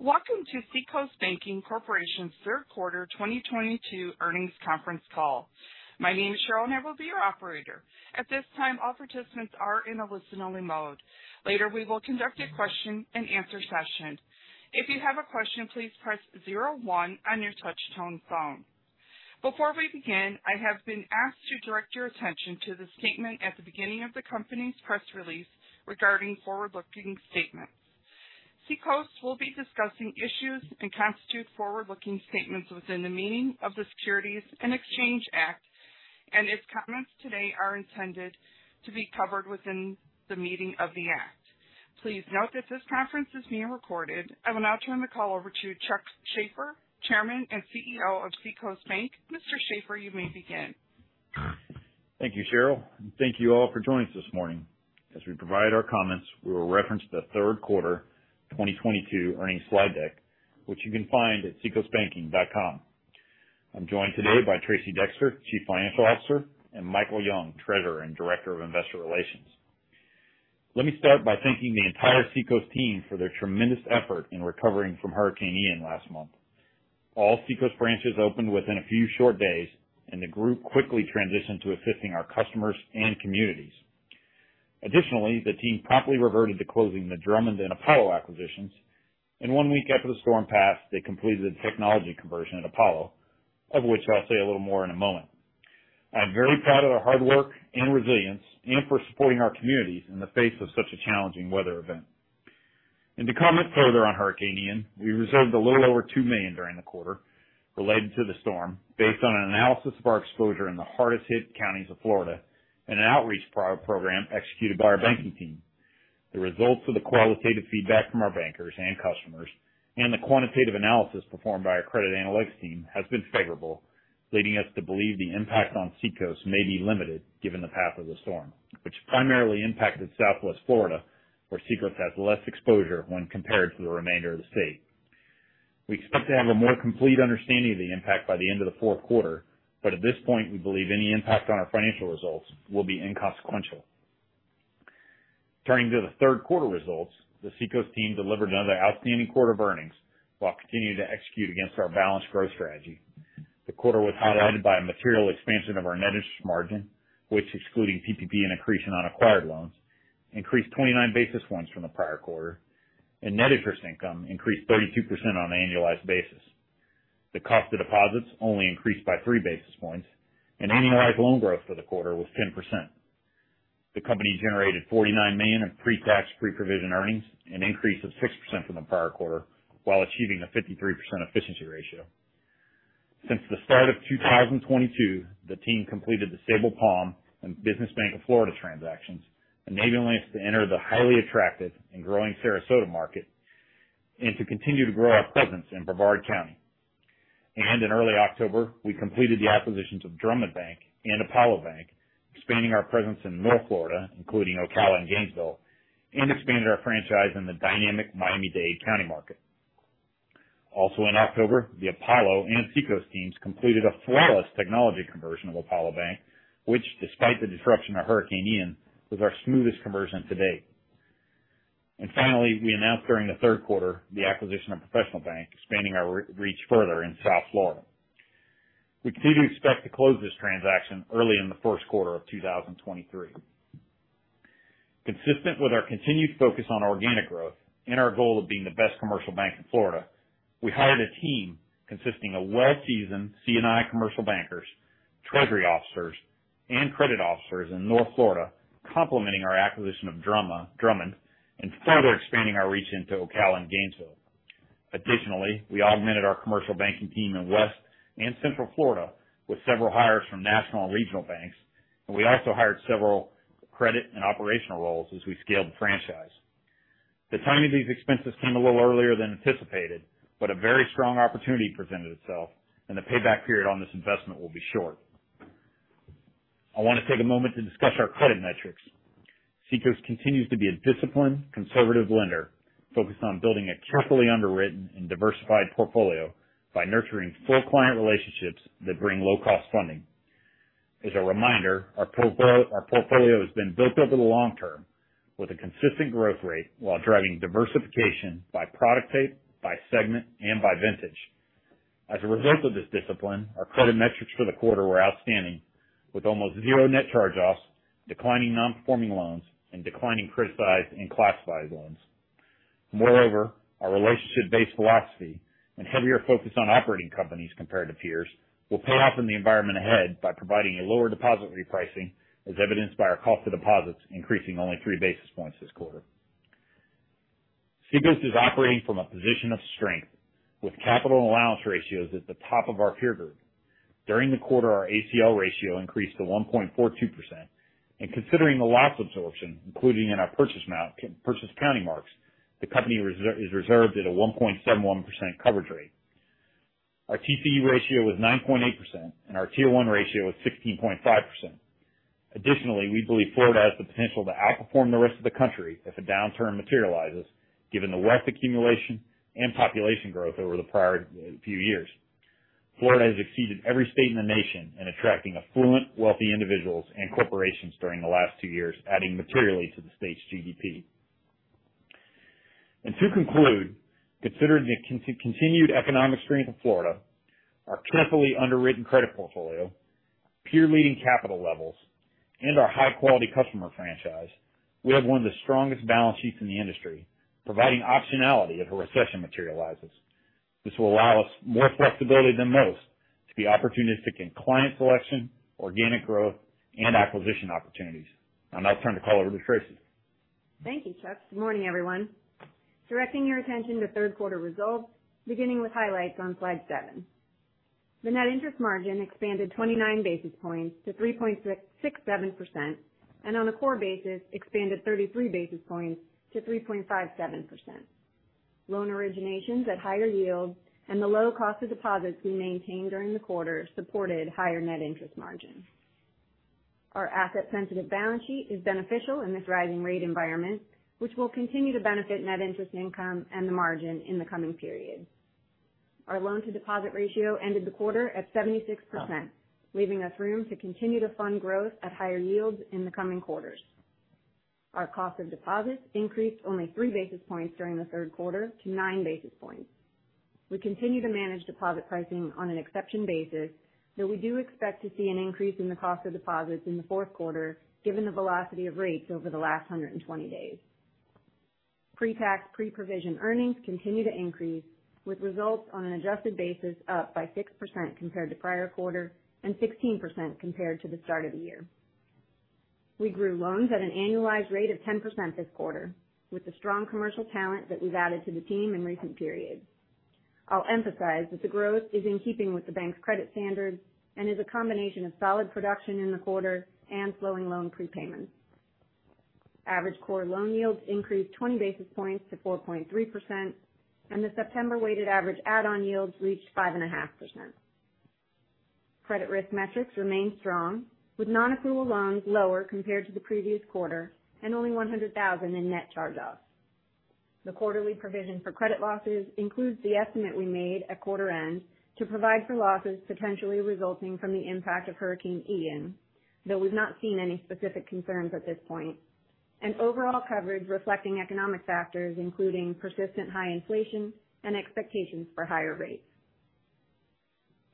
Welcome to Seacoast Banking Corporation's third quarter 2022 earnings conference call. My name is Cheryl, and I will be your operator. At this time, all participants are in a listen-only mode. Later, we will conduct a question and answer session. If you have a question, please press zero one on your touch-tone phone. Before we begin, I have been asked to direct your attention to the statement at the beginning of the company's press release regarding forward-looking statements. Seacoast will be discussing issues that constitute forward-looking statements within the meaning of the Securities Exchange Act, and its comments today are intended to be covered within the meaning of the Act. Please note that this conference is being recorded. I will now turn the call over to Chuck Shaffer, Chairman and CEO of Seacoast Bank. Mr. Shaffer, you may begin. Thank you, Cheryl, and thank you all for joining us this morning. As we provide our comments, we will reference the third quarter 2022 earnings slide deck, which you can find at seacoastbanking.com. I'm joined today by Tracey Dexter, Chief Financial Officer, and Michael Young, Treasurer and Director of Investor Relations. Let me start by thanking the entire Seacoast team for their tremendous effort in recovering from Hurricane Ian last month. All Seacoast branches opened within a few short days, and the group quickly transitioned to assisting our customers and communities. Additionally, the team promptly reverted to closing the Drummond and Apollo acquisitions, and one week after the storm passed, they completed the technology conversion at Apollo, of which I'll say a little more in a moment. I'm very proud of their hard work and resilience and for supporting our communities in the face of such a challenging weather event. To comment further on Hurricane Ian, we reserved a little over $2 million during the quarter related to the storm based on an analysis of our exposure in the hardest hit counties of Florida and an outreach prior program executed by our banking team. The results of the qualitative feedback from our bankers and customers and the quantitative analysis performed by our credit analytics team has been favorable, leading us to believe the impact on Seacoast may be limited given the path of the storm, which primarily impacted Southwest Florida, where Seacoast has less exposure when compared to the remainder of the state. We expect to have a more complete understanding of the impact by the end of the fourth quarter, but at this point, we believe any impact on our financial results will be inconsequential. Turning to the third quarter results, the Seacoast team delivered another outstanding quarter of earnings while continuing to execute against our balanced growth strategy. The quarter was highlighted by a material expansion of our net interest margin, which excluding PPP and accretion on acquired loans, increased 29 basis points from the prior quarter, and net interest income increased 32% on an annualized basis. The cost of deposits only increased by 3 basis points, and annualized loan growth for the quarter was 10%. The company generated $49 million in pre-tax, pre-provision earnings, an increase of 6% from the prior quarter while achieving a 53% efficiency ratio. Since the start of 2022, the team completed the Sabal Palm Bank and Business Bank of Florida transactions, enabling us to enter the highly attractive and growing Sarasota market and to continue to grow our presence in Brevard County. In early October, we completed the acquisitions of Drummond Community Bank and Apollo Bank, expanding our presence in North Florida, including Ocala and Gainesville, and expanded our franchise in the dynamic Miami-Dade County market. Also in October, the Apollo and Seacoast teams completed a flawless technology conversion of Apollo Bank, which despite the disruption of Hurricane Ian, was our smoothest conversion to date. Finally, we announced during the third quarter the acquisition of Professional Bank, expanding our reach further in South Florida. We continue to expect to close this transaction early in the first quarter of 2023. Consistent with our continued focus on organic growth and our goal of being the best commercial bank in Florida, we hired a team consisting of well-seasoned C&I commercial bankers, treasury officers, and credit officers in North Florida, complementing our acquisition of Drummond and further expanding our reach into Ocala and Gainesville. Additionally, we augmented our commercial banking team in West and Central Florida with several hires from national and regional banks, and we also hired several credit and operational roles as we scaled the franchise. The timing of these expenses came a little earlier than anticipated, but a very strong opportunity presented itself and the payback period on this investment will be short. I want to take a moment to discuss our credit metrics. Seacoast continues to be a disciplined, conservative lender focused on building a carefully underwritten and diversified portfolio by nurturing full client relationships that bring low cost funding. As a reminder, our portfolio has been built over the long term with a consistent growth rate while driving diversification by product type, by segment, and by vintage. As a result of this discipline, our credit metrics for the quarter were outstanding, with almost zero net charge-offs, declining non-performing loans, and declining criticized and classified loans. Moreover, our relationship-based philosophy and heavier focus on operating companies compared to peers will pay off in the environment ahead by providing a lower deposit repricing, as evidenced by our cost of deposits increasing only three basis points this quarter. Seacoast is operating from a position of strength with capital allowance ratios at the top of our peer group. During the quarter, our ACL ratio increased to 1.42%, and considering the loss absorption including in our purchase accounting marks, the company is reserved at a 1.71% coverage rate. Our TCE ratio was 9.8% and our tier one ratio was 16.5%. Additionally, we believe Florida has the potential to outperform the rest of the country if a downturn materializes given the wealth accumulation and population growth over the prior few years. Florida has exceeded every state in the nation in attracting affluent, wealthy individuals and corporations during the last two years, adding materially to the state's GDP. To conclude, considering the continued economic strength of Florida, our carefully underwritten credit portfolio, peer-leading capital levels, and our high-quality customer franchise, we have one of the strongest balance sheets in the industry, providing optionality if a recession materializes. This will allow us more flexibility than most to be opportunistic in client selection, organic growth, and acquisition opportunities. I'll now turn the call over to Tracey. Thank you, Chuck. Good morning, everyone. Directing your attention to third quarter results, beginning with highlights on slide seven. The net interest margin expanded 29 basis points to 3.67%, and on a core basis expanded 33 basis points to 3.57%. Loan originations at higher yields and the low cost of deposits we maintained during the quarter supported higher net interest margin. Our asset-sensitive balance sheet is beneficial in this rising rate environment, which will continue to benefit net interest income and the margin in the coming period. Our loan to deposit ratio ended the quarter at 76%, leaving us room to continue to fund growth at higher yields in the coming quarters. Our cost of deposits increased only 3 basis points during the third quarter to 9 basis points. We continue to manage deposit pricing on an exception basis, though we do expect to see an increase in the cost of deposits in the fourth quarter given the velocity of rates over the last 120 days. Pre-tax, pre-provision earnings continue to increase with results on an adjusted basis up by 6% compared to prior quarter and 16% compared to the start of the year. We grew loans at an annualized rate of 10% this quarter with the strong commercial talent that we've added to the team in recent periods. I'll emphasize that the growth is in keeping with the bank's credit standards and is a combination of solid production in the quarter and slowing loan prepayments. Average core loan yields increased 20 basis points to 4.3%, and the September weighted average add-on yields reached 5.5%. Credit risk metrics remain strong, with non-accrual loans lower compared to the previous quarter and only $100,000 in net charge-offs. The quarterly provision for credit losses includes the estimate we made at quarter end to provide for losses potentially resulting from the impact of Hurricane Ian, though we've not seen any specific concerns at this point, and overall coverage reflecting economic factors, including persistent high inflation and expectations for higher rates.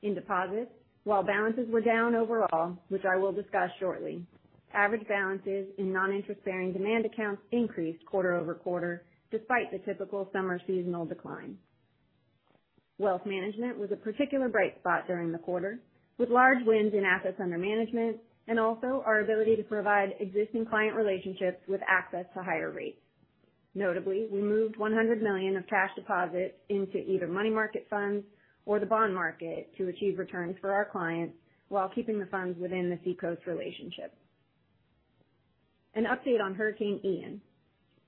In deposits, while balances were down overall, which I will discuss shortly, average balances in non-interest bearing demand accounts increased quarter-over-quarter despite the typical summer seasonal decline. Wealth management was a particular bright spot during the quarter, with large wins in assets under management and also our ability to provide existing client relationships with access to higher rates. Notably, we moved $100 million of cash deposits into either money market funds or the bond market to achieve returns for our clients while keeping the funds within the Seacoast relationship. An update on Hurricane Ian.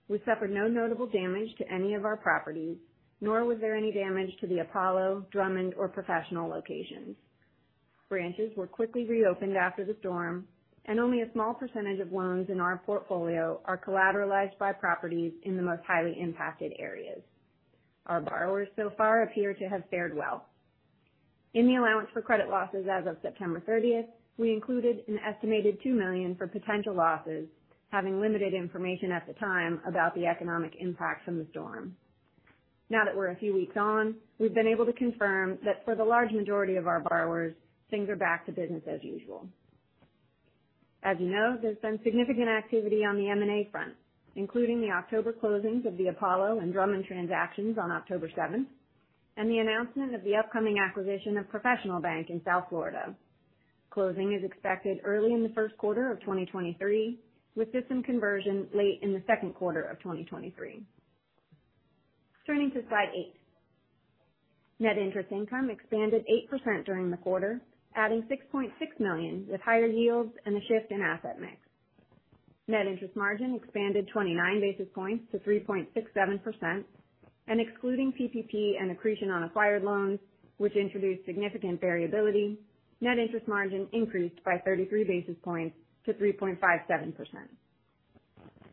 We suffered no notable damage to any of our properties, nor was there any damage to the Apollo, Drummond, or Professional locations. Branches were quickly reopened after the storm, and only a small percentage of loans in our portfolio are collateralized by properties in the most highly impacted areas. Our borrowers so far appear to have fared well. In the allowance for credit losses as of September 30, we included an estimated $2 million for potential losses, having limited information at the time about the economic impact from the storm. Now that we're a few weeks on, we've been able to confirm that for the large majority of our borrowers, things are back to business as usual. As you know, there's been significant activity on the M&A front, including the October closings of the Apollo and Drummond transactions on October 7, and the announcement of the upcoming acquisition of Professional Bank in South Florida. Closing is expected early in the first quarter of 2023, with system conversion late in the second quarter of 2023. Turning to slide eight. Net interest income expanded 8% during the quarter, adding $6.6 million with higher yields and a shift in asset mix. Net interest margin expanded 29 basis points to 3.67%. Excluding PPP and accretion on acquired loans, which introduced significant variability, net interest margin increased by 33 basis points to 3.57%.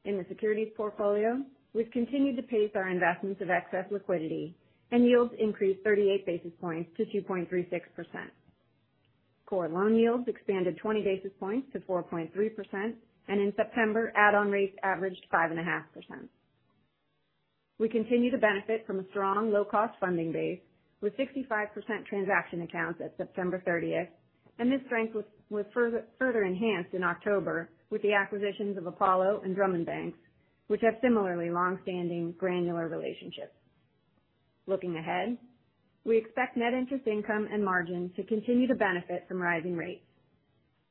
In the securities portfolio, we've continued to place our investments of excess liquidity and yields increased 38 basis points to 2.36%. Core loan yields expanded 20 basis points to 4.3%, and in September, add-on rates averaged 5.5%. We continue to benefit from a strong low cost funding base with 65% transaction accounts at September 30, and this strength was further enhanced in October with the acquisitions of Apollo and Drummond Banks, which have similarly long-standing granular relationships. Looking ahead, we expect net interest income and margin to continue to benefit from rising rates.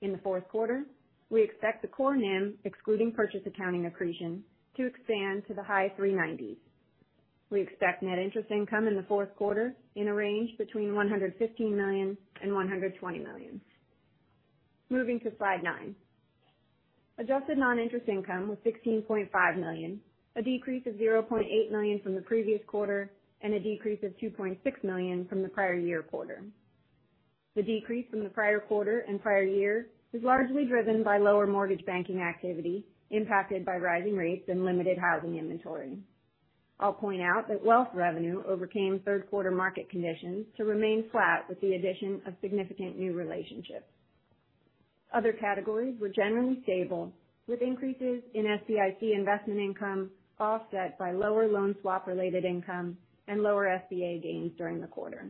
In the fourth quarter, we expect the core NIM, excluding purchase accounting accretion, to expand to the high 3.90%. We expect net interest income in the fourth quarter in a range between $115 million and $120 million. Moving to slide nine. Adjusted non-interest income was $16.5 million, a decrease of $0.8 million from the previous quarter and a decrease of $2.6 million from the prior year quarter. The decrease from the prior quarter and prior year is largely driven by lower mortgage banking activity impacted by rising rates and limited housing inventory. I'll point out that wealth revenue overcame third quarter market conditions to remain flat with the addition of significant new relationships. Other categories were generally stable, with increases in SCIC investment income offset by lower loan swap related income and lower SBA gains during the quarter.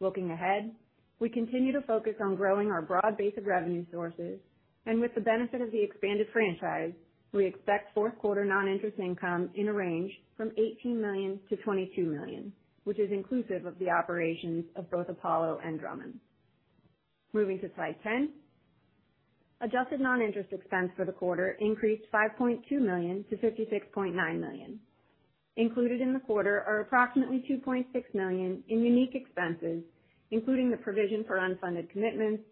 Looking ahead, we continue to focus on growing our broad base of revenue sources, and with the benefit of the expanded franchise, we expect fourth quarter non-interest income in a range from $18 million-$22 million, which is inclusive of the operations of both Apollo and Drummond. Moving to Slide 10. Adjusted non-interest expense for the quarter increased $5.2 million to $56.9 million. Included in the quarter are approximately $2.6 million in unique expenses, including the provision for unfunded commitments,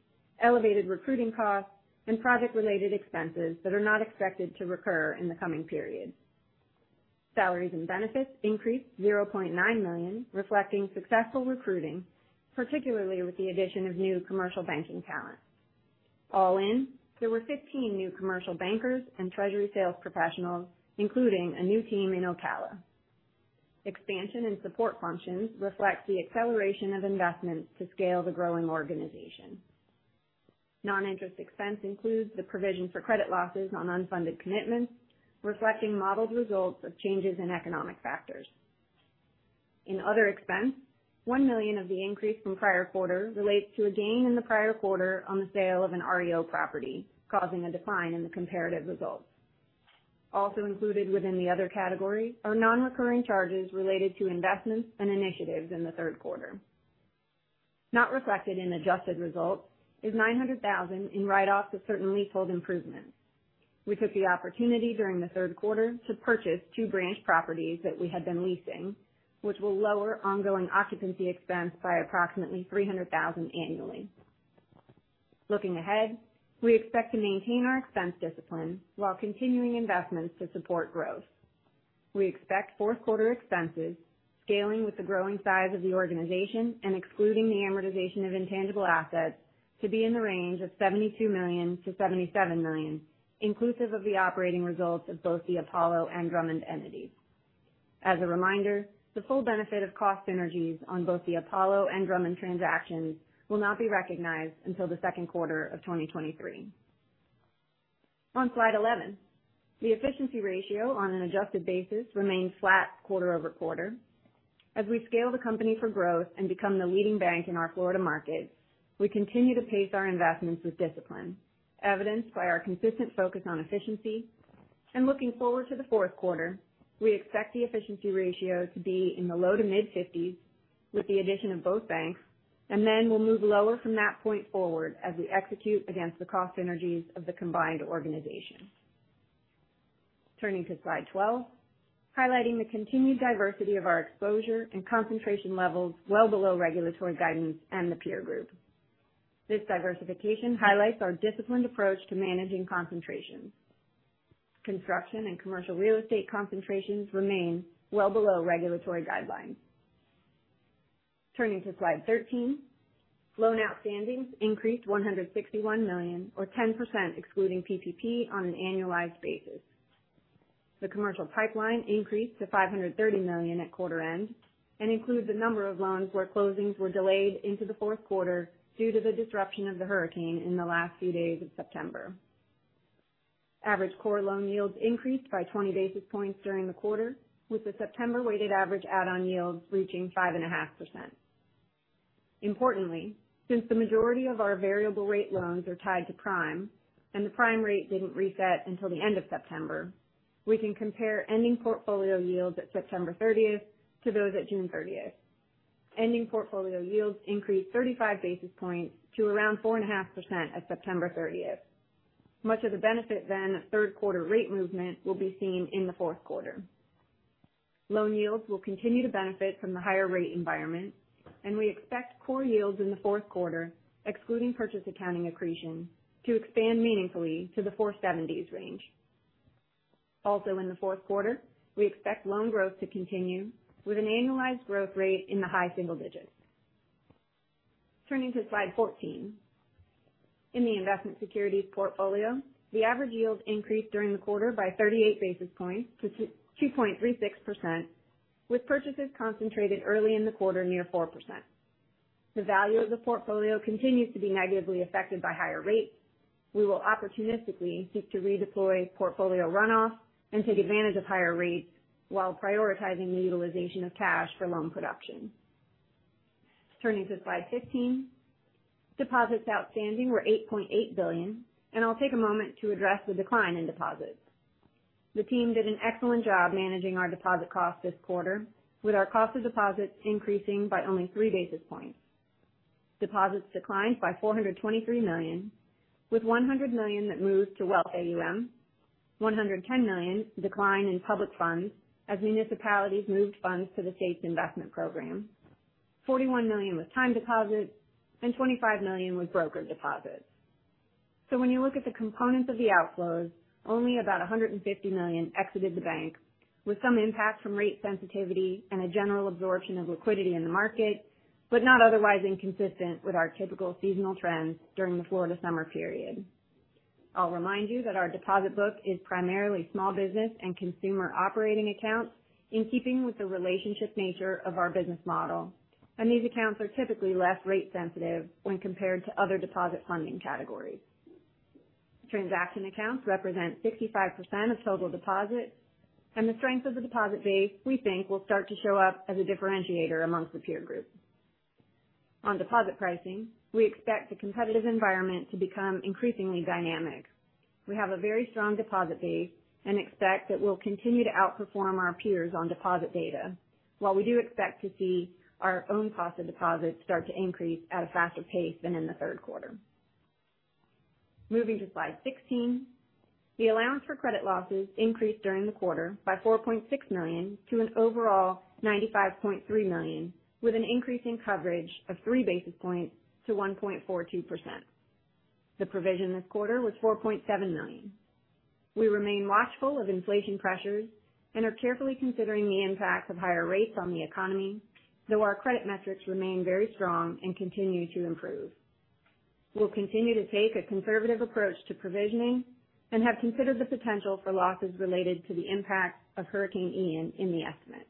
elevated recruiting costs, and project related expenses that are not expected to recur in the coming periods. Salaries and benefits increased $0.9 million, reflecting successful recruiting, particularly with the addition of new commercial banking talent. All in, there were 15 new commercial bankers and treasury sales professionals, including a new team in Ocala. Expansion and support functions reflect the acceleration of investments to scale the growing organization. Non-interest expense includes the provision for credit losses on unfunded commitments, reflecting modeled results of changes in economic factors. In other expense, $1 million of the increase from prior quarter relates to a gain in the prior quarter on the sale of an REO property, causing a decline in the comparative results. Also included within the other category are non-recurring charges related to investments and initiatives in the third quarter. Not reflected in adjusted results is $900,000 in write-offs of certain leasehold improvements. We took the opportunity during the third quarter to purchase two branch properties that we had been leasing, which will lower ongoing occupancy expense by approximately $300,000 annually. Looking ahead, we expect to maintain our expense discipline while continuing investments to support growth. We expect fourth quarter expenses scaling with the growing size of the organization and excluding the amortization of intangible assets to be in the range of $72 million-$77 million, inclusive of the operating results of both the Apollo and Drummond entities. As a reminder, the full benefit of cost synergies on both the Apollo and Drummond transactions will not be recognized until the second quarter of 2023. On Slide 11, the efficiency ratio on an adjusted basis remained flat quarter-over-quarter. As we scale the company for growth and become the leading bank in our Florida market, we continue to pace our investments with discipline, evidenced by our consistent focus on efficiency. Looking forward to the fourth quarter, we expect the efficiency ratio to be in the low to mid-fifties with the addition of both banks, and then we'll move lower from that point forward as we execute against the cost synergies of the combined organization. Turning to slide 12, highlighting the continued diversity of our exposure and concentration levels well below regulatory guidance and the peer group. This diversification highlights our disciplined approach to managing concentrations. Construction and commercial real estate concentrations remain well below regulatory guidelines. Turning to slide 13, loan outstandings increased $161 million or 10% excluding PPP on an annualized basis. The commercial pipeline increased to $530 million at quarter end and includes a number of loans where closings were delayed into the fourth quarter due to the disruption of the hurricane in the last few days of September. Average core loan yields increased by 20 basis points during the quarter, with the September weighted average add-on yields reaching 5.5%. Importantly, since the majority of our variable rate loans are tied to Prime and the Prime rate didn't reset until the end of September, we can compare ending portfolio yields at September 30th to those at June 30th. Ending portfolio yields increased 35 basis points to around 4.5% at September 30th. Much of the benefit then of third quarter rate movement will be seen in the fourth quarter. Loan yields will continue to benefit from the higher rate environment, and we expect core yields in the fourth quarter, excluding purchase accounting accretion, to expand meaningfully to the 4.70s range. Also in the fourth quarter, we expect loan growth to continue with an annualized growth rate in the high single digits. Turning to slide 14. In the investment securities portfolio, the average yield increased during the quarter by 38 basis points to 2.36%, with purchases concentrated early in the quarter near 4%. The value of the portfolio continues to be negatively affected by higher rates. We will opportunistically seek to redeploy portfolio runoff and take advantage of higher rates while prioritizing the utilization of cash for loan production. Turning to slide 15. Deposits outstanding were $8.8 billion, and I'll take a moment to address the decline in deposits. The team did an excellent job managing our deposit costs this quarter, with our cost of deposits increasing by only 3 basis points. Deposits declined by $423 million, with $100 million that moved to wealth AUM, $110 million decline in public funds as municipalities moved funds to the state's investment program, $41 million with time deposits, and $25 million with broker deposits. When you look at the components of the outflows, only about $150 million exited the bank with some impact from rate sensitivity and a general absorption of liquidity in the market, but not otherwise inconsistent with our typical seasonal trends during the Florida summer period. I'll remind you that our deposit book is primarily small business and consumer operating accounts in keeping with the relationship nature of our business model. These accounts are typically less rate sensitive when compared to other deposit funding categories. Transaction accounts represent 65% of total deposits, and the strength of the deposit base, we think, will start to show up as a differentiator amongst the peer group. On deposit pricing, we expect the competitive environment to become increasingly dynamic. We have a very strong deposit base and expect that we'll continue to outperform our peers on deposit data while we do expect to see our own cost of deposits start to increase at a faster pace than in the third quarter. Moving to slide 16, the allowance for credit losses increased during the quarter by $4.6 million to an overall $95.3 million, with an increase in coverage of three basis points to 1.42%. The provision this quarter was $4.7 million. We remain watchful of inflation pressures and are carefully considering the impact of higher rates on the economy, though our credit metrics remain very strong and continue to improve. We'll continue to take a conservative approach to provisioning and have considered the potential for losses related to the impact of Hurricane Ian in the estimate.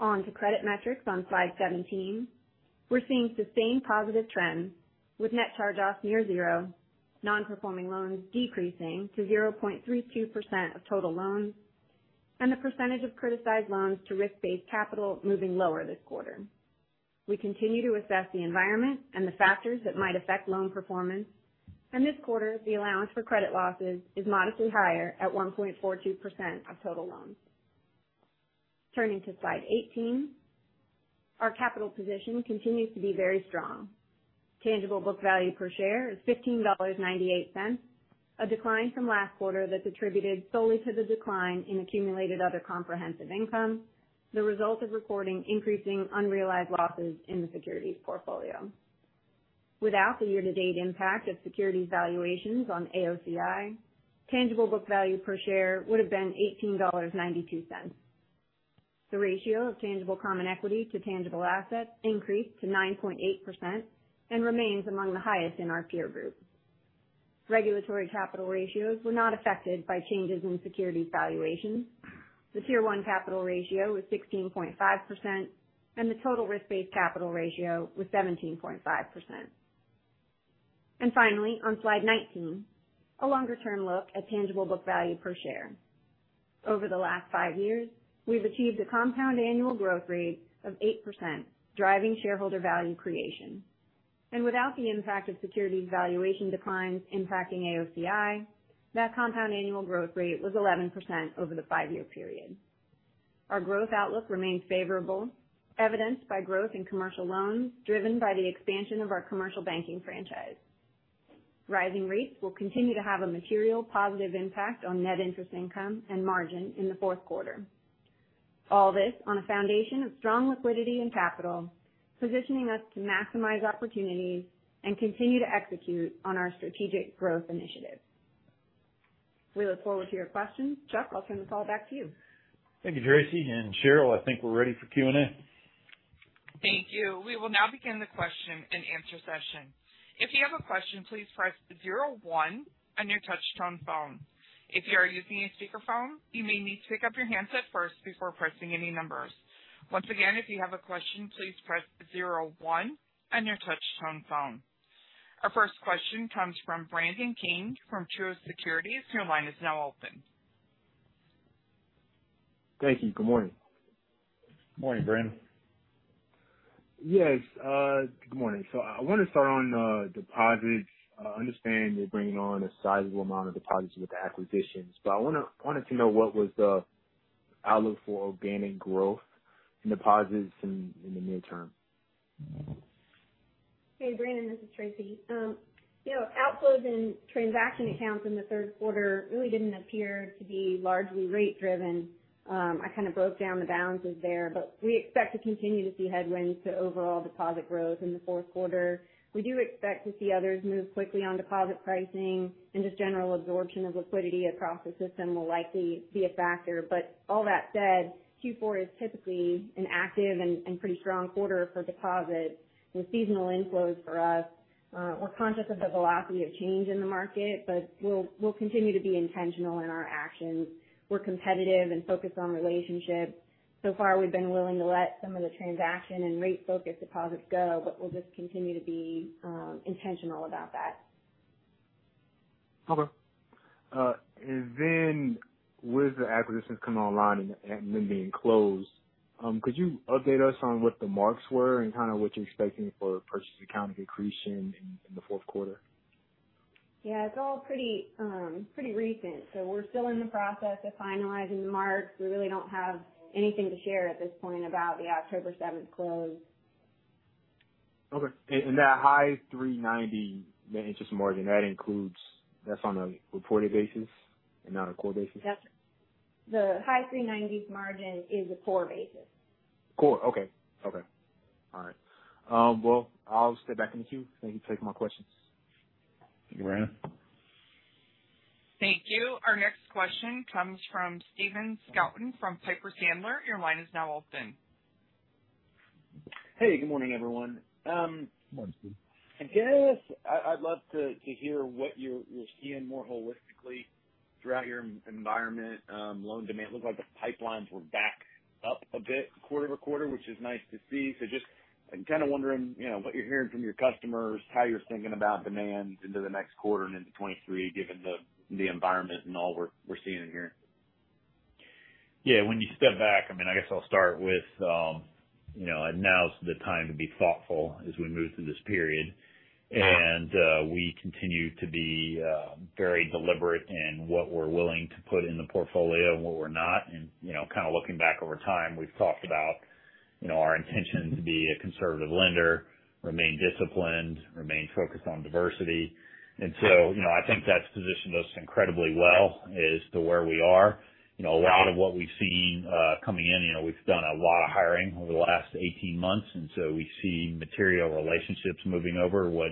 On to credit metrics on slide 17. We're seeing sustained positive trends with net charge-offs near zero, non-performing loans decreasing to 0.32% of total loans, and the percentage of criticized loans to risk-based capital moving lower this quarter. We continue to assess the environment and the factors that might affect loan performance, and this quarter, the allowance for credit losses is modestly higher at 1.42% of total loans. Turning to slide 18. Our capital position continues to be very strong. Tangible book value per share is $15.98, a decline from last quarter that's attributed solely to the decline in accumulated other comprehensive income, the result of recording increasing unrealized losses in the securities portfolio. Without the year-to-date impact of securities valuations on AOCI, tangible book value per share would have been $18.92. The ratio of tangible common equity to tangible assets increased to 9.8% and remains among the highest in our peer group. Regulatory capital ratios were not affected by changes in securities valuations. The tier one capital ratio was 16.5%, and the total risk-based capital ratio was 17.5%. Finally, on slide 19, a longer term look at tangible book value per share. Over the last five years, we've achieved a compound annual growth rate of 8%, driving shareholder value creation. Without the impact of securities valuation declines impacting AOCI, that compound annual growth rate was 11% over the five-year period. Our growth outlook remains favorable, evidenced by growth in commercial loans driven by the expansion of our commercial banking franchise. Rising rates will continue to have a material positive impact on net interest income and margin in the fourth quarter. All this on a foundation of strong liquidity and capital, positioning us to maximize opportunities and continue to execute on our strategic growth initiatives. We look forward to your questions. Chuck, I'll turn the call back to you. Thank you, Tracey. Cheryl, I think we're ready for Q&A. Thank you. We will now begin the question-and-answer session. If you have a question, please press zero one on your touchtone phone. If you are using a speakerphone, you may need to pick up your handset first before pressing any numbers. Once again, if you have a question, please press zero one on your touchtone phone. Our first question comes from Brandon King from Truist Securities. Your line is now open. Thank you. Good morning. Morning, Brandon. Yes, good morning. I wanna start on deposits. I understand you're bringing on a sizable amount of deposits with the acquisitions, but I wanted to know what was the outlook for organic growth in deposits in the near term? Hey, Brandon, this is Tracey. You know, outflows and transaction accounts in the third quarter really didn't appear to be largely rate driven. I kind of broke down the balances there, but we expect to continue to see headwinds to overall deposit growth in the fourth quarter. We do expect to see others move quickly on deposit pricing and just general absorption of liquidity across the system will likely be a factor. All that said, Q4 is typically an active and pretty strong quarter for deposits with seasonal inflows for us. We're conscious of the velocity of change in the market, but we'll continue to be intentional in our actions. We're competitive and focused on relationships. So far, we've been willing to let some of the transaction and rate focus deposits go, but we'll just continue to be intentional about that. With the acquisitions coming online and them being closed, could you update us on what the marks were and kinda what you're expecting for purchase accounting accretion in the fourth quarter? Yeah, it's all pretty recent, so we're still in the process of finalizing the marks. We really don't have anything to share at this point about the October 7th close. Okay. That high 3.90% net interest margin, that's on a reported basis and not a core basis? That's it. The high 3.90% margin is a core basis. Core. Okay. All right. Well, I'll step back in the queue. Thank you for taking my questions. Thank you, Brandon. Thank you. Our next question comes from Stephen Scouten from Piper Sandler. Your line is now open. Hey, good morning, everyone. Morning, Stephen. I'd love to hear what you're seeing more holistically throughout your market environment, loan demand. Looks like the pipelines were back up a bit quarter-over-quarter, which is nice to see. Just I'm kind of wondering, you know, what you're hearing from your customers, how you're thinking about demand into the next quarter and into 2023, given the environment and all we're seeing and hearing. Yeah, when you step back, I mean, I guess I'll start with you know, now's the time to be thoughtful as we move through this period. We continue to be very deliberate in what we're willing to put in the portfolio and what we're not. You know, kind of looking back over time, we've talked about you know, our intention to be a conservative lender, remain disciplined, remain focused on diversity. You know, I think that's positioned us incredibly well as to where we are. You know, a lot of what we've seen coming in, you know, we've done a lot of hiring over the last 18 months, and so we've seen material relationships moving over. What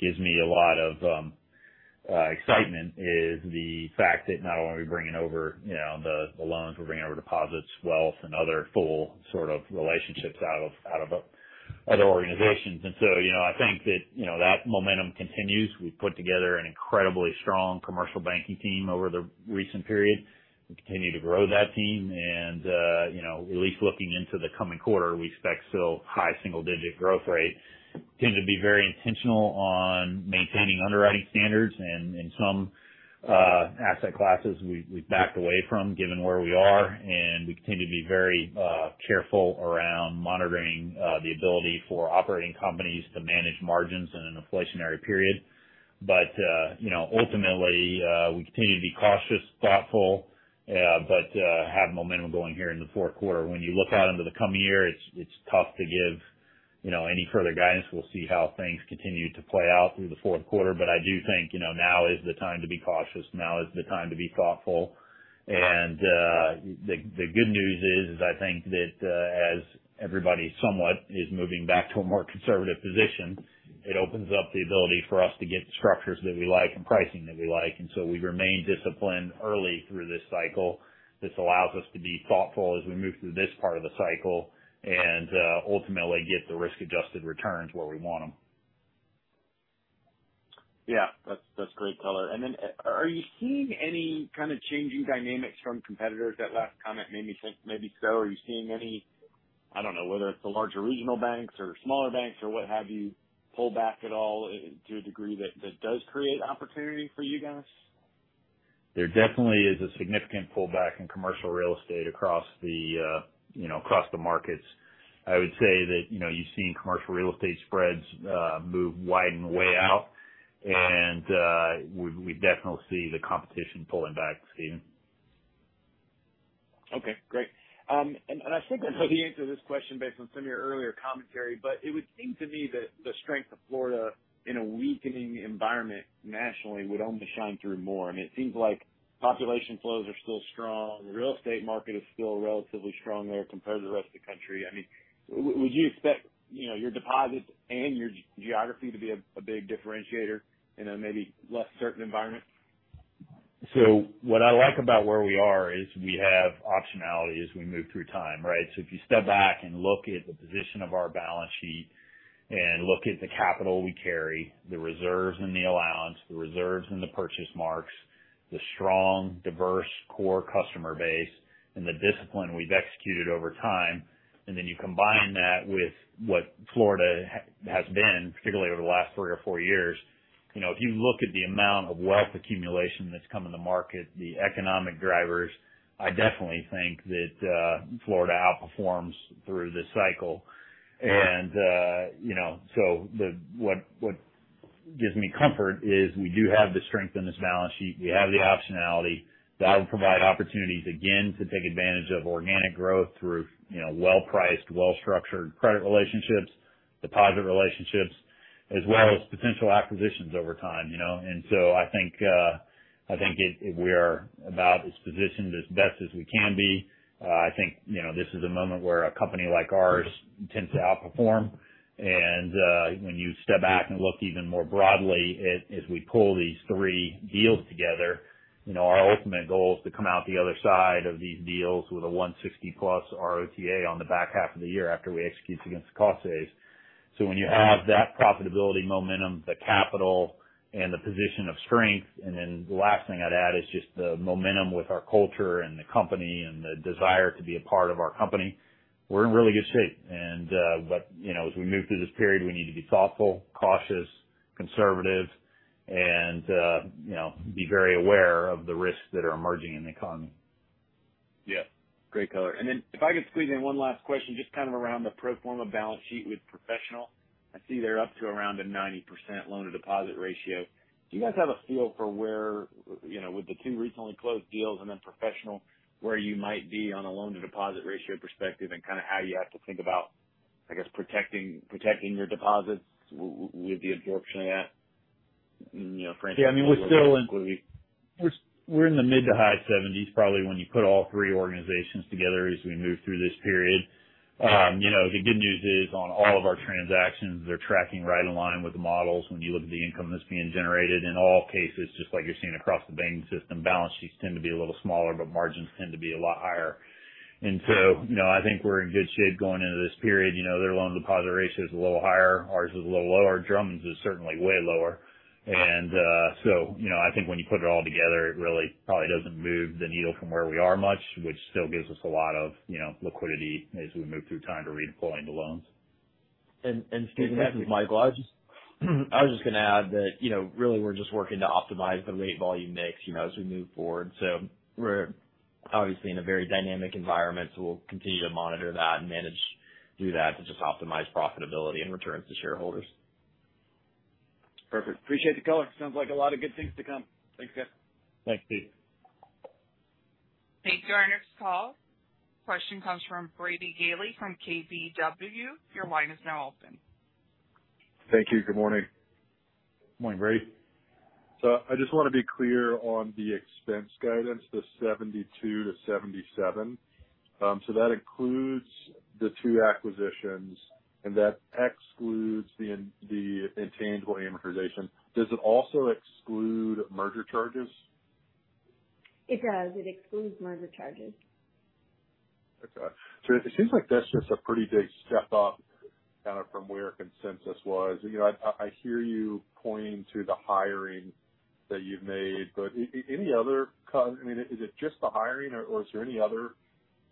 gives me a lot of excitement is the fact that not only are we bringing over, you know, the loans, we're bringing over deposits, wealth, and other full sort of relationships out of other organizations. You know, I think that, you know, that momentum continues. We've put together an incredibly strong commercial banking team over the recent period and continue to grow that team. You know, at least looking into the coming quarter, we expect still high single-digit growth rate. Continue to be very intentional on maintaining underwriting standards. In some asset classes we've backed away from given where we are. We continue to be very careful around monitoring the ability for operating companies to manage margins in an inflationary period. You know, ultimately, we continue to be cautious, thoughtful, but have momentum going here in the fourth quarter. When you look out into the coming year, it's tough to give, you know, any further guidance. We'll see how things continue to play out through the fourth quarter. I do think, you know, now is the time to be cautious. Now is the time to be thoughtful. The good news is I think that as everybody somewhat is moving back to a more conservative position, it opens up the ability for us to get the structures that we like and pricing that we like. We remain disciplined early through this cycle. This allows us to be thoughtful as we move through this part of the cycle and ultimately get the risk-adjusted returns where we want them. Yeah, that's great color. Are you seeing any kind of changing dynamics from competitors? That last comment made me think maybe so. Are you seeing any, I don't know, whether it's the larger regional banks or smaller banks or what have you, pull back at all, to a degree that does create opportunity for you guys? There definitely is a significant pullback in commercial real estate across the markets. I would say that you're seeing commercial real estate spreads moving wider way out. We definitely see the competition pulling back, Stephen. Okay, great. I think I know the answer to this question based on some of your earlier commentary, but it would seem to me that the strength of Florida in a weakening environment nationally would only shine through more. I mean, it seems like population flows are still strong. The real estate market is still relatively strong there compared to the rest of the country. I mean, would you expect, you know, your deposits and your geography to be a big differentiator in a maybe less certain environment? What I like about where we are is we have optionality as we move through time, right? If you step back and look at the position of our balance sheet and look at the capital we carry, the reserves and the allowance, the reserves and the purchase marks, the strong, diverse core customer base and the discipline we've executed over time, and then you combine that with what Florida has been, particularly over the last three or four years. You know, if you look at the amount of wealth accumulation that's come in the market, the economic drivers, I definitely think that Florida outperforms through this cycle. What gives me comfort is we do have the strength in this balance sheet. We have the optionality that will provide opportunities again to take advantage of organic growth through, you know, well-priced, well-structured credit relationships, deposit relationships, as well as potential acquisitions over time, you know. I think we are about as positioned as best as we can be. I think, you know, this is a moment where a company like ours tends to outperform. When you step back and look even more broadly, as we pull these three deals together, you know, our ultimate goal is to come out the other side of these deals with a 160+ ROTA on the back half of the year after we execute against the cost saves. When you have that profitability momentum, the capital and the position of strength, and then the last thing I'd add is just the momentum with our culture and the company and the desire to be a part of our company, we're in really good shape. But you know, as we move through this period, we need to be thoughtful, cautious, conservative and you know, be very aware of the risks that are emerging in the economy. Yeah. Great color. If I could squeeze in one last question, just kind of around the pro forma balance sheet with Professional? I see they're up to around a 90% loan to deposit ratio. Do you guys have a feel for where, you know, with the two recently closed deals and then Professional, where you might be on a loan to deposit ratio perspective and kind of how you have to think about, I guess, protecting your deposits with the absorption of that? You know, for instance. Yeah, I mean, we're in the mid- to high 70s probably when you put all three organizations together as we move through this period. You know, the good news is on all of our transactions, they're tracking right in line with the models when you look at the income that's being generated. In all cases, just like you're seeing across the banking system, balance sheets tend to be a little smaller, but margins tend to be a lot higher. You know, I think we're in good shape going into this period. You know, their loan deposit ratio is a little higher, ours is a little lower. Drummond's is certainly way lower. You know, I think when you put it all together, it really probably doesn't move the needle from where we are much, which still gives us a lot of, you know, liquidity as we move through time to redeploying the loans. Stephen, this is Michael. I was just gonna add that, you know, really, we're just working to optimize the rate volume mix, you know, as we move forward. We're obviously in a very dynamic environment, so we'll continue to monitor that and manage through that to just optimize profitability and returns to shareholders. Perfect. Appreciate the color. Sounds like a lot of good things to come. Thanks, guys. Thanks, Steph. Thank you. Our next call, question comes from Brady Gailey from KBW. Your line is now open. Thank you. Good morning. Morning, Brady. I just want to be clear on the expense guidance, the $72-$77. That includes the two acquisitions and that excludes the intangible amortization. Does it also exclude merger charges? It does. It excludes merger charges. Okay. It seems like that's just a pretty big step up kind of from where consensus was. You know, I hear you pointing to the hiring that you've made, but I mean, is it just the hiring or is there any other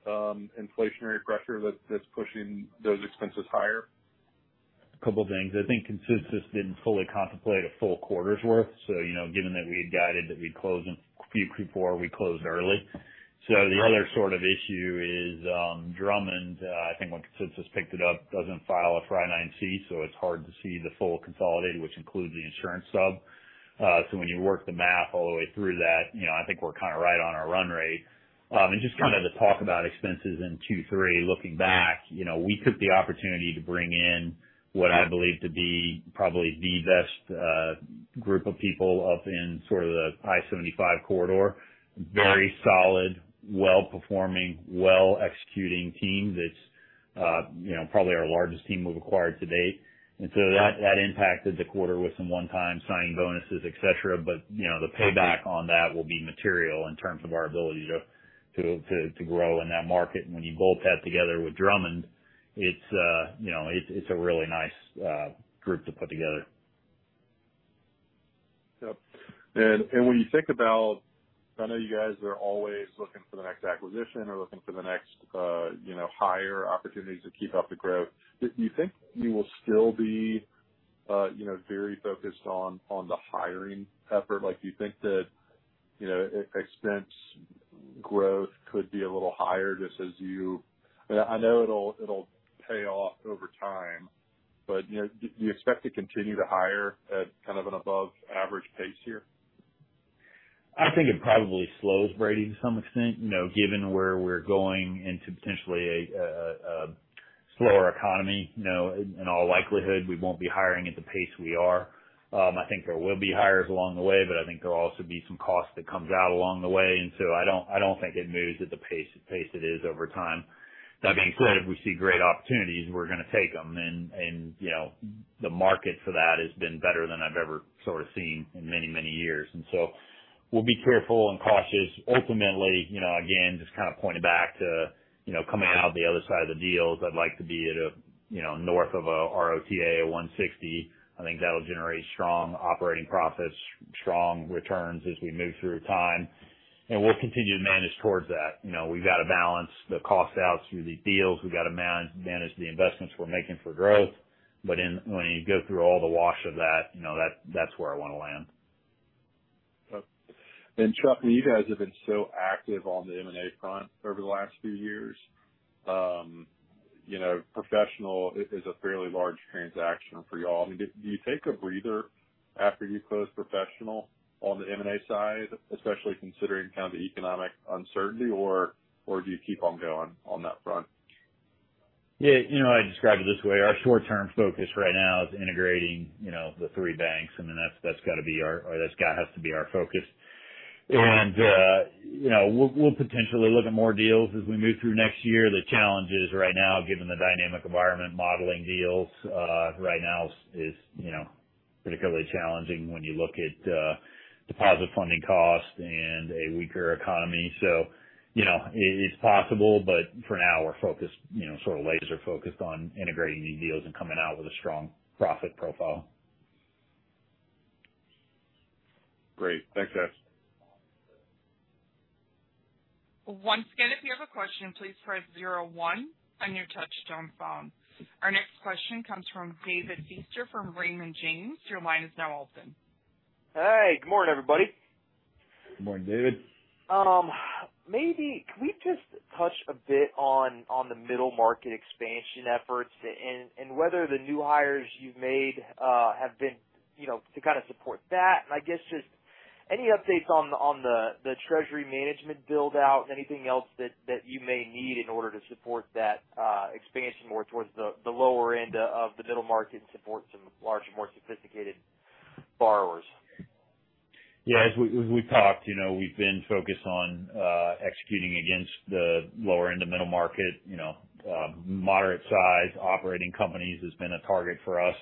inflationary pressure that's pushing those expenses higher? A couple things. I think consensus didn't fully contemplate a full quarter's worth. You know, given that we had guided that we'd close in Q4, we closed early. The other sort of issue is, Drummond. I think when consensus picked it up, doesn't file a FR Y-9C, so it's hard to see the full consolidated, which includes the insurance sub. So when you work the math all the way through that, you know, I think we're kind of right on our run rate. Just kind of to talk about expenses in Q2, Q3, looking back, you know, we took the opportunity to bring in what I believe to be probably the best group of people up in sort of the I-75 corridor. Very solid, well performing, well executing team that's, you know, probably our largest team we've acquired to date. That impacted the quarter with some one-time signing bonuses, et cetera. You know, the payback on that will be material in terms of our ability to grow in that market. When you bolt that together with Drummond, you know, it's a really nice group to put together. Yep. When you think about, I know you guys are always looking for the next acquisition or looking for the next, you know, hire opportunities to keep up the growth. Do you think you will still be, you know, very focused on the hiring effort? Like, do you think that, you know, expense growth could be a little higher. I know it'll pay off over time. You know, do you expect to continue to hire at kind of an above average pace here? I think it probably slows, Brady, to some extent. You know, given where we're going into potentially a slower economy. You know, in all likelihood, we won't be hiring at the pace we are. I think there will be hires along the way, but I think there'll be some cost that comes out along the way. I don't think it moves at the pace it is over time. That being said, if we see great opportunities, we're going to take them. You know, the market for that has been better than I've ever sort of seen in many, many years. We'll be careful and cautious. Ultimately, you know, again, just kind of pointing back to, you know, coming out the other side of the deals, I'd like to be at a, you know, north of a ROTA of 1.60%. I think that'll generate strong operating profits, strong returns as we move through time. We'll continue to manage towards that. You know, we've got to balance the cost out through these deals. We've got to manage the investments we're making for growth. When you go through all the math of that, you know, that's where I want to land. Okay. Chuck, you guys have been so active on the M&A front over the last few years. You know, Professional is a fairly large transaction for y'all. I mean, do you take a breather after you close Professional on the M&A side, especially considering kind of the economic uncertainty, or do you keep on going on that front? Yeah, you know, I describe it this way. Our short-term focus right now is integrating, you know, the three banks. I mean, that's got to be our focus. You know, we'll potentially look at more deals as we move through next year. The challenge is right now, given the dynamic environment, modeling deals right now is, you know, particularly challenging when you look at deposit funding cost and a weaker economy. You know, it is possible, but for now, we're focused, you know, sort of laser focused on integrating these deals and coming out with a strong profit profile. Great. Thanks, guys. Once again, if you have a question, please press zero one on your touchtone phone. Our next question comes from David Feaster from Raymond James. Your line is now open. Hey, good morning, everybody. Good morning, David. Maybe can we just touch a bit on the middle market expansion efforts and whether the new hires you've made, you know, to kind of support that? I guess just any updates on the treasury management build out? Anything else that you may need in order to support that expansion more towards the lower end of the middle market and support some larger, more sophisticated borrowers? Yeah, as we've talked, you know, we've been focused on executing against the lower end of middle market. You know, moderate size operating companies has been a target for us.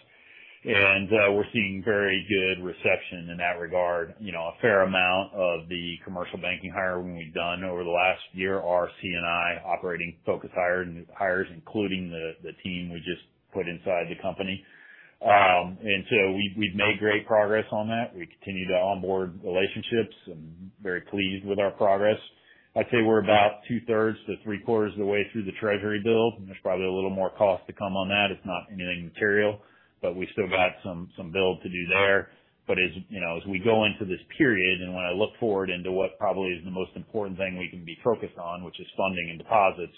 We're seeing very good reception in that regard. You know, a fair amount of the commercial banking hiring we've done over the last year are C&I operating-focused hires, including the team we just put inside the company. We've made great progress on that. We continue to onboard relationships and very pleased with our progress. I'd say we're about two-thirds to three-quarters of the way through the treasury build, and there's probably a little more cost to come on that. It's not anything material, but we still got some build to do there. As you know, as we go into this period and when I look forward into what probably is the most important thing we can be focused on, which is funding and deposits,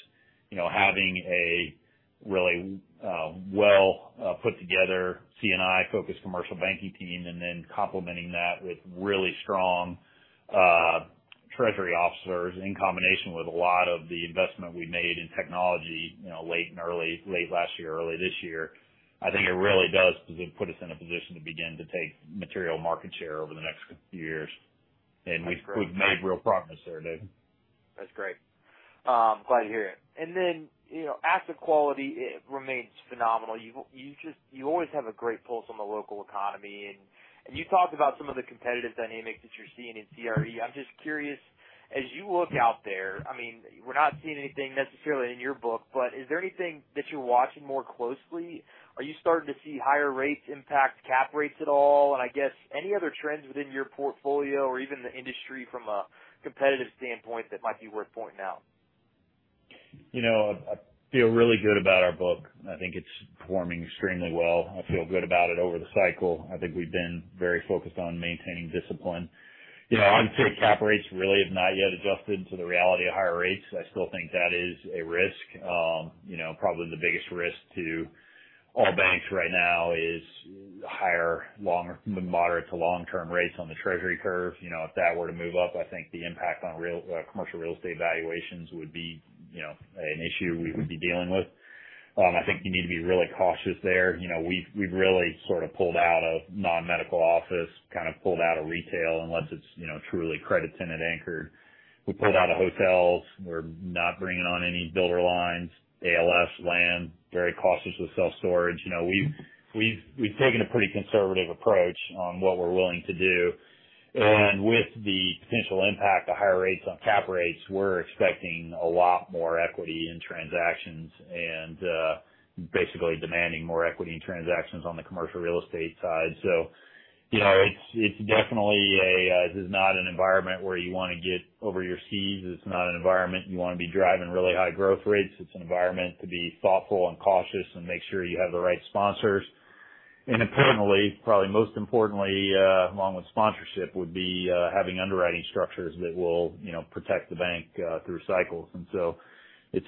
you know, having a really, well, put-together C&I-focused commercial banking team and then complementing that with really strong, treasury officers in combination with a lot of the investment we made in technology, you know, late last year, early this year. I think it really does put us in a position to begin to take material market share over the next few years. We've made real progress there, David. That's great. Glad to hear it. Then, you know, asset quality, it remains phenomenal. You always have a great pulse on the local economy and you talked about some of the competitive dynamics that you're seeing in CRE. I'm just curious, as you look out there, I mean, we're not seeing anything necessarily in your book, but is there anything that you're watching more closely? Are you starting to see higher rates impact cap rates at all? I guess any other trends within your portfolio or even the industry from a competitive standpoint that might be worth pointing out? You know, I feel really good about our book. I think it's performing extremely well. I feel good about it over the cycle. I think we've been very focused on maintaining discipline. You know, I'm sure cap rates really have not yet adjusted to the reality of higher rates. I still think that is a risk. You know, probably the biggest risk to all banks right now is higher, longer moderate to long-term rates on the treasury curve. You know, if that were to move up, I think the impact on commercial real estate valuations would be, you know, an issue we would be dealing with. I think you need to be really cautious there. You know, we've really sort of pulled out of non-medical office, kind of pulled out of retail unless it's, you know, truly credit tenant anchored. We pulled out of hotels. We're not bringing on any builder lines, ALS, land, very cautious with self-storage. You know, we've taken a pretty conservative approach on what we're willing to do. With the potential impact of higher rates on cap rates, we're expecting a lot more equity in transactions and basically demanding more equity in transactions on the commercial real estate side. You know, it's definitely a this is not an environment where you wanna get over your skis. It's not an environment you wanna be driving really high growth rates. It's an environment to be thoughtful and cautious and make sure you have the right sponsors. Apparently, probably most importantly, along with sponsorship, would be having underwriting structures that will, you know, protect the bank through cycles. It's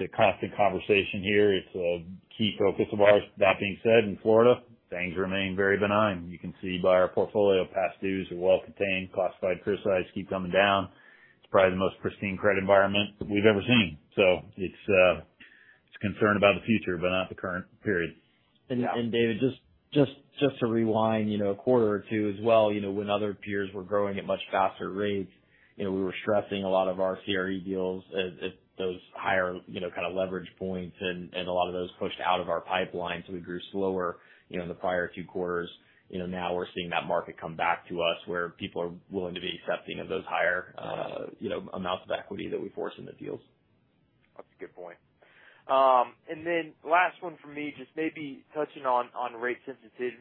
a constant conversation here. It's a key focus of ours. That being said, in Florida, things remain very benign. You can see by our portfolio, past dues are well contained. Classified criticized keep coming down. It's probably the most pristine credit environment we've ever seen. It's a concern about the future, but not the current period. David, just to rewind, you know, a quarter or two as well, you know, when other peers were growing at much faster rates, you know, we were stressing a lot of our CRE deals at those higher, you know, kind of leverage points and a lot of those pushed out of our pipeline. We grew slower, you know, in the prior two quarters. You know, now we're seeing that market come back to us, where people are willing to be accepting of those higher, you know, amounts of equity that we force in the deals. That's a good point. Then last one from me, just maybe touching on rate sensitivity.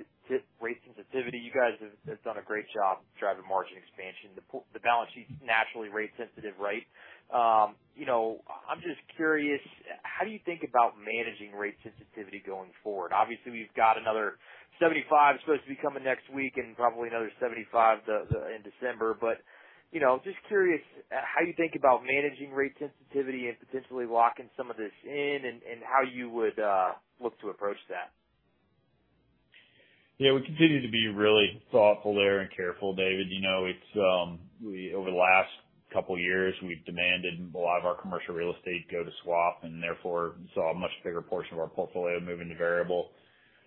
You guys have done a great job driving margin expansion. The balance sheet's naturally rate sensitive, right? You know, I'm just curious, how do you think about managing rate sensitivity going forward? Obviously, we've got another 75 supposed to be coming next week and probably another 75 in December. You know, just curious, how you think about managing rate sensitivity and potentially locking some of this in and how you would look to approach that? Yeah, we continue to be really thoughtful there and careful, David. You know, it's over the last couple years, we've demanded a lot of our commercial real estate go to swap, and therefore saw a much bigger portion of our portfolio move into variable.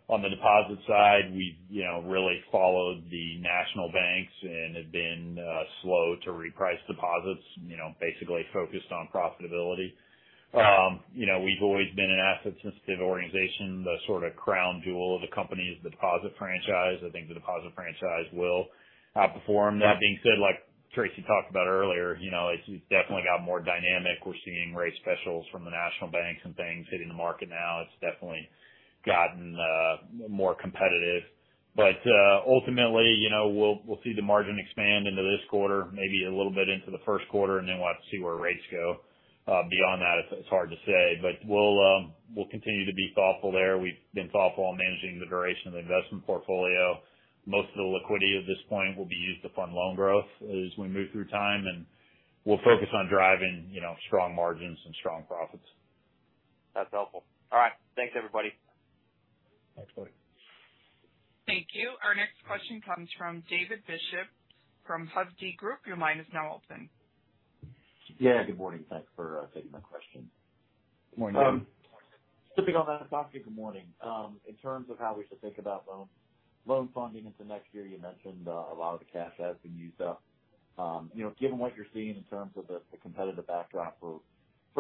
On the deposit side, we've, you know, really followed the national banks and have been slow to reprice deposits, you know, basically focused on profitability. You know, we've always been an asset-sensitive organization. The sort of crown jewel of the company is the deposit franchise. I think the deposit franchise will outperform. That being said, like Tracey talked about earlier, you know, it's definitely got more dynamic. We're seeing rate specials from the national banks and things hitting the market now. It's definitely gotten more competitive. Ultimately, you know, we'll see the margin expand into this quarter, maybe a little bit into the first quarter, and then we'll have to see where rates go. Beyond that, it's hard to say. We'll continue to be thoughtful there. We've been thoughtful on managing the duration of the investment portfolio. Most of the liquidity at this point will be used to fund loan growth as we move through time, and we'll focus on driving, you know, strong margins and strong profits. That's helpful. All right. Thanks, everybody. Thanks, buddy. Thank you. Our next question comes from David Bishop from Hovde Group. Your line is now open. Yeah, good morning. Thanks for taking my question. Good morning. Skipping on the topic, good morning. In terms of how we should think about loan funding into next year. You mentioned a lot of the cash has been used up. You know, given what you're seeing in terms of the competitive backdrop for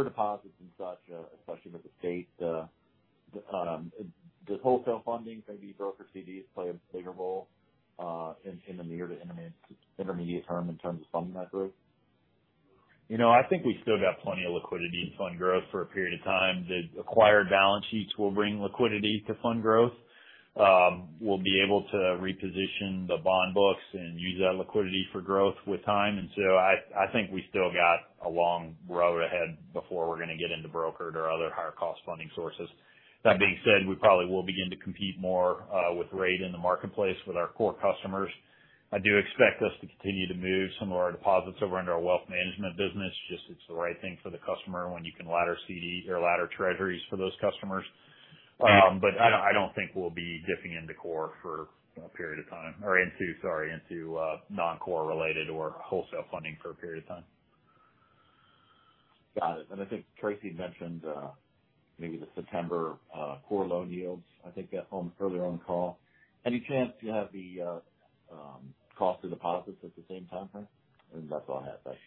deposits and such, especially with the state, does wholesale funding, maybe brokered CDs, play a bigger role in the near to intermediate term in terms of funding that growth? You know, I think we still got plenty of liquidity to fund growth for a period of time. The acquired balance sheets will bring liquidity to fund growth. We'll be able to reposition the bond books and use that liquidity for growth with time. I think we still got a long road ahead before we're gonna get into brokered or other higher cost funding sources. That being said, we probably will begin to compete more with rates in the marketplace with our core customers. I do expect us to continue to move some of our deposits over under our wealth management business. Just it's the right thing for the customer when you can ladder CD or ladder treasuries for those customers. I don't think we'll be dipping into core for a period of time or into non-core related or wholesale funding for a period of time. Got it. I think Tracey mentioned, maybe the September core loan yields, I think, at some point earlier on the call. Any chance you have the cost of deposits at the same time frame? That's all I have. Thanks.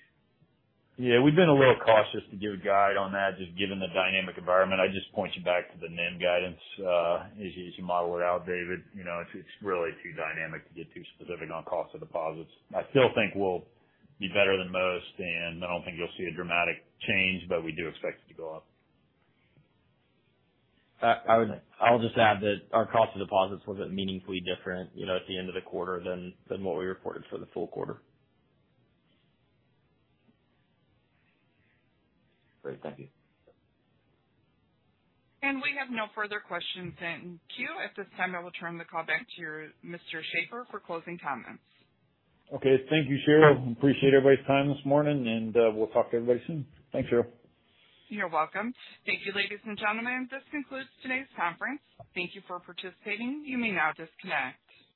Yeah. We've been a little cautious to give a guide on that, just given the dynamic environment. I just point you back to the NIM guidance, as you model it out, David. You know, it's really too dynamic to get too specific on cost of deposits. I still think we'll be better than most, and I don't think you'll see a dramatic change, but we do expect it to go up. I'll just add that our cost of deposits wasn't meaningfully different, you know, at the end of the quarter than what we reported for the full quarter. Great. Thank you. We have no further questions in queue. At this time I will turn the call back to your Mr. Shaffer for closing comments. Okay. Thank you, Cheryl. Appreciate everybody's time this morning, and we'll talk to everybody soon. Thanks, Cheryl. You're welcome. Thank you, ladies and gentlemen. This concludes today's conference. Thank you for participating. You may now disconnect.